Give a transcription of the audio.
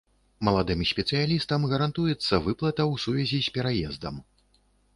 Маладым спецыялістам гарантуецца выплата ў сувязі з пераездам.